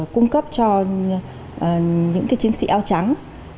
cung cấp cho những chiến sĩ áo trắng